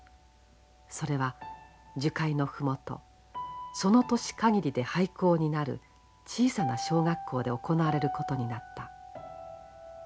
それは樹海の麓その年かぎりで廃校になる小さな小学校で行われることになった。